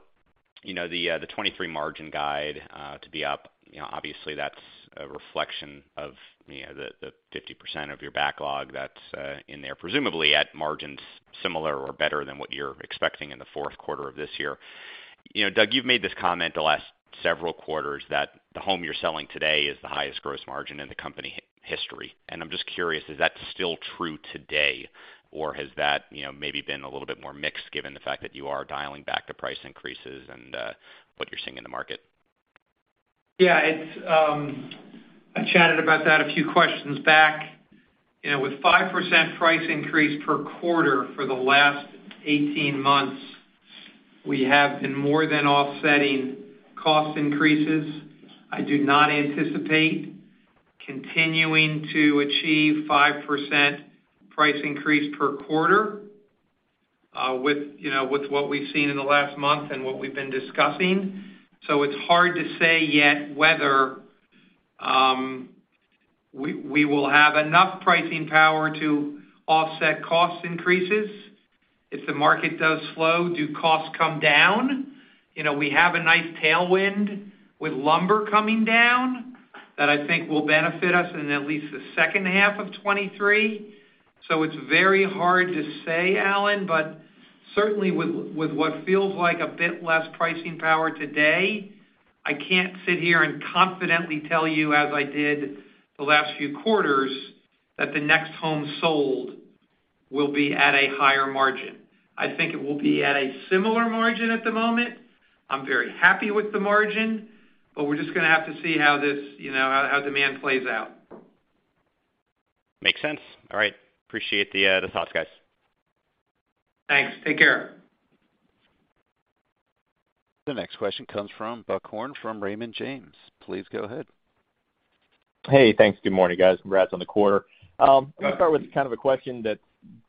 You know, the 2023 margin guide to be up, you know, obviously that's a reflection of, you know, the 50% of your backlog that's in there, presumably at margins similar or better than what you're expecting in the Q4 of this year. You know, Doug, you've made this comment the last several quarters that the home you're selling today is the highest gross margin in the company history. I'm just curious, is that still true today, or has that, you know, maybe been a little bit more mixed given the fact that you are dialing back the price increases and what you're seeing in the market? Yeah. It's I chatted about that a few questions back. You know, with 5% price increase per quarter for the last 18 months, we have been more than offsetting cost increases. I do not anticipate continuing to achieve 5% price increase per quarter with you know with what we've seen in the last month and what we've been discussing. It's hard to say yet whether we will have enough pricing power to offset cost increases. If the market does slow, do costs come down? You know, we have a nice tailwind with lumber coming down that I think will benefit us in at least the H2 of 2023. It's very hard to say, Alan, but certainly with what feels like a bit less pricing power today, I can't sit here and confidently tell you as I did the last few quarters that the next home sold will be at a higher margin. I think it will be at a similar margin at the moment. I'm very happy with the margin, but we're just gonna have to see how this, you know, how demand plays out. Makes sense. All right. Appreciate the thoughts, guys. Thanks. Take care. The next question comes from Buck Horne from Raymond James. Please go ahead. Hey, thanks. Good morning, guys. Congrats on the quarter. Let me start with kind of a question that's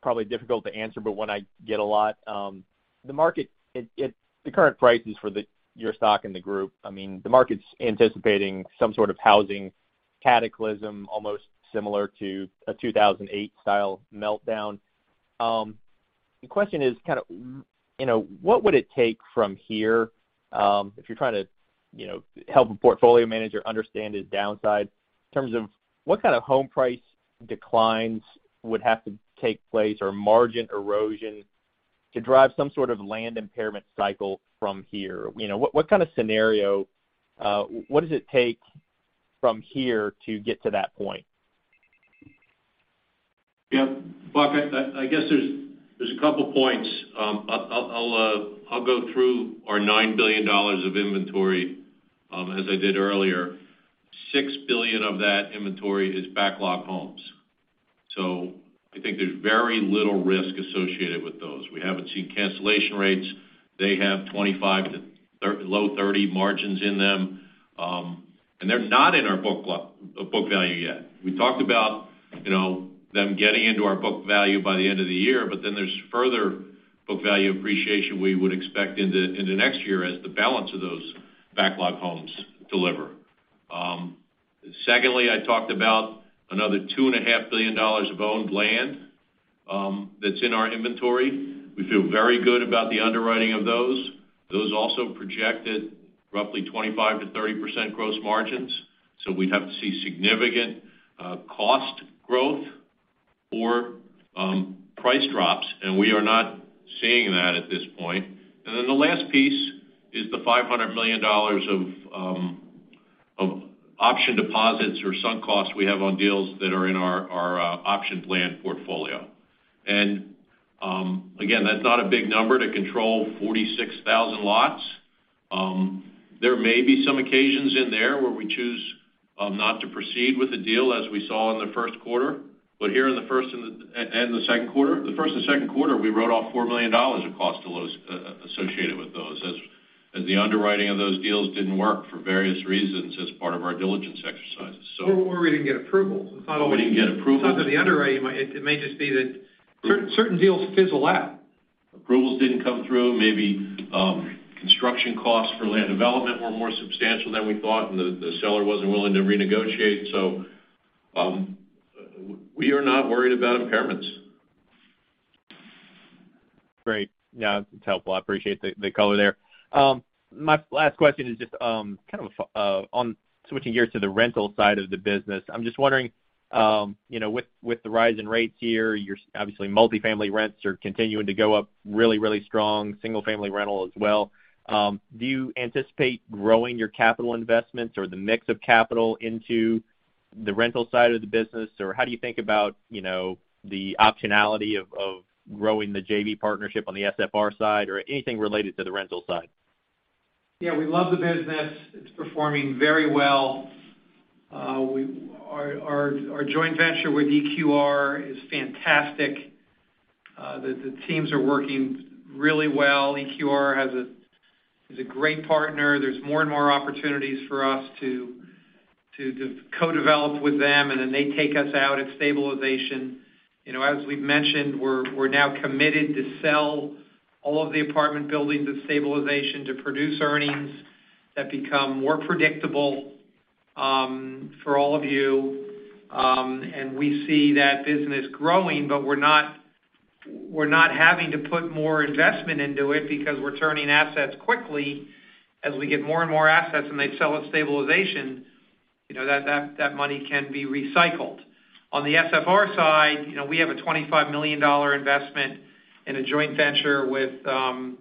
probably difficult to answer, but one I get a lot. The market, it's the current prices for your stock in the group. I mean, the market's anticipating some sort of housing cataclysm, almost similar to a 2008 style meltdown. The question is kinda, you know, what would it take from here, if you're trying to, you know, help a portfolio manager understand his downside in terms of what kind of home price declines would have to take place or margin erosion to drive some sort of land impairment cycle from here? You know, what kind of scenario, what does it take from here to get to that point? Yeah. Buck, I guess there's a couple points. I'll go through our $9 billion of inventory, as I did earlier. $6 billion of that inventory is backlog homes. I think there's very little risk associated with those. We haven't seen cancellation rates. They have 25% to low 30% margins in them. They're not in our book value yet. We talked about, you know, them getting into our book value by the end of the year, but then there's further book value appreciation we would expect in the next year as the balance of those backlog homes deliver. Secondly, I talked about another $2.5 billion of owned land, that's in our inventory. We feel very good about the underwriting of those. Those also projected roughly 25%-30% gross margins. We'd have to see significant cost growth or price drops, and we are not seeing that at this point. Then the last piece is the $500 million of option deposits or sunk costs we have on deals that are in our option plan portfolio. Again, that's not a big number to control 46,000 lots. There may be some occasions in there where we choose not to proceed with the deal as we saw in the Q1. Here in the Q1 and Q2, we wrote off $4 million of costs to lease associated with those, as the underwriting of those deals didn't work for various reasons as part of our diligence exercises. We didn't get approvals. It's not always. We didn't get approvals. It's under the underwriting. It may just be that certain deals fizzle out. Approvals didn't come through. Maybe, construction costs for land development were more substantial than we thought, and the seller wasn't willing to renegotiate. We are not worried about impairments. Great. Yeah, it's helpful. I appreciate the color there. My last question is just kind of on switching gears to the rental side of the business. I'm just wondering, you know, with the rise in rates here, you're obviously multifamily rents are continuing to go up really, really strong. Single-family rental as well. Do you anticipate growing your capital investments or the mix of capital into the rental side of the business, or how do you think about, you know, the optionality of growing the JV partnership on the SFR side or anything related to the rental side? Yeah, we love the business. It's performing very well. Our joint venture with EQR is fantastic. The teams are working really well. EQR is a great partner. There's more and more opportunities for us to co-develop with them, and then they take us out at stabilization. You know, as we've mentioned, we're now committed to sell all of the apartment buildings at stabilization to produce earnings that become more predictable for all of you. We see that business growing, but we're not having to put more investment into it because we're turning assets quickly. As we get more and more assets and they sell at stabilization, you know, that money can be recycled. On the SFR side, you know, we have a $25 million investment in a joint venture with a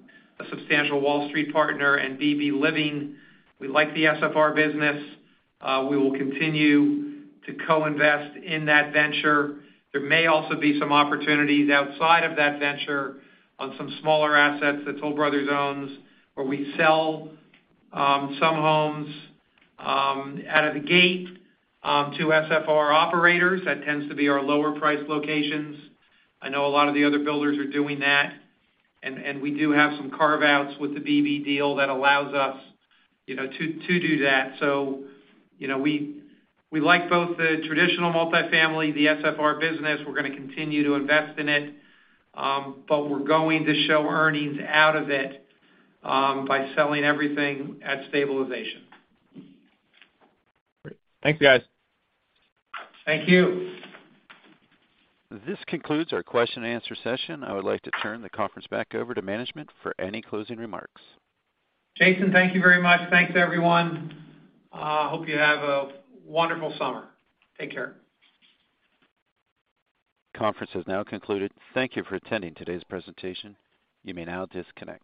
substantial Wall Street partner and BB Living. We like the SFR business. We will continue to co-invest in that venture. There may also be some opportunities outside of that venture on some smaller assets that Toll Brothers owns, where we sell some homes out of the gate to SFR operators. That tends to be our lower priced locations. I know a lot of the other builders are doing that, and we do have some carve-outs with the BB deal that allows us, you know, to do that. You know, we like both the traditional multifamily, the SFR business. We're gonna continue to invest in it, but we're going to show earnings out of it by selling everything at stabilization. Great. Thanks, guys. Thank you. This concludes our question and answer session. I would like to turn the conference back over to management for any closing remarks. Jason, thank you very much. Thanks, everyone. Hope you have a wonderful summer. Take care. Conference is now concluded. Thank you for attending today's presentation. You may now disconnect.